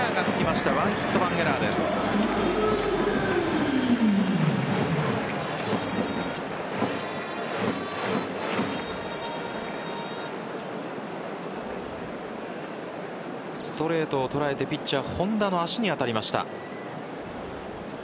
ストレートを捉えてピッチャー・本田の足に当たりました。